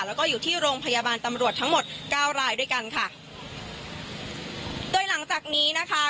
แล้วก็อยู่ที่โรงพยาบาลตำรวจทั้งหมดเก้ารายด้วยกันค่ะโดยหลังจากนี้นะคะ